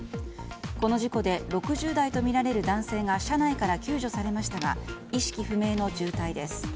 この事故で６０代とみられる男性が車内から救助されましたが意識不明の重体です。